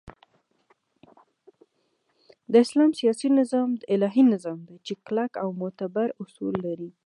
د اسلام سیاسی نظام الهی نظام دی چی کلک او معتبر اصول لری